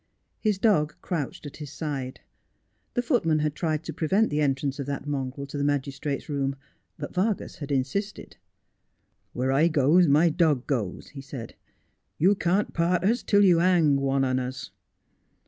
His dog crouched at his side. The footman had tried to prevent the entrance of that mongrel to the magistrate's room, but Vargas had insisted. ' Where I goes my dog goes,' he said. ' You can't part us till you hang one on us.'